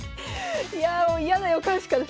いやあもう嫌な予感しかしない。